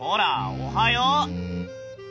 おはよう。